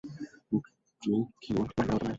Druig কি ওর mind control করতে পারবে?